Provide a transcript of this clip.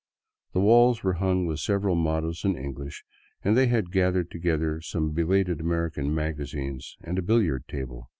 The walls were hung with several mottoes in English, and they had gathered together some belated American magazines and a billiard table.